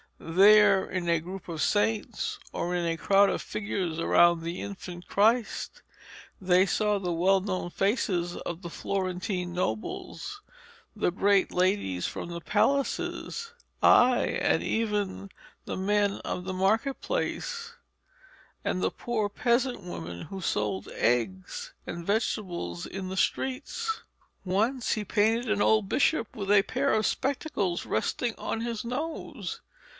There, in a group of saints, or in a crowd of figures around the Infant Christ, they saw the well known faces of Florentine nobles, the great ladies from the palaces, ay, and even the men of the market place, and the poor peasant women who sold eggs and vegetables in the streets. Once he painted an old bishop with a pair of spectacles resting on his nose.